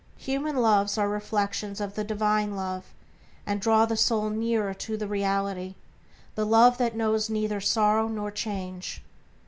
Human loves are reflections of the Divine Love, and draw the soul nearer to the reality, the Love that knows neither sorrow nor change.